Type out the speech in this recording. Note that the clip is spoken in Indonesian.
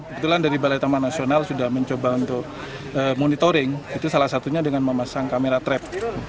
kebetulan dari balai taman nasional sudah mencoba untuk monitoring itu salah satunya dengan memasang kamera trap